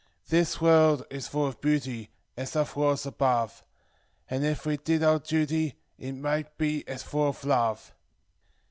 "This world is full of beauty, as othei worlds above; And, it' we did our duty, it might be as full of love."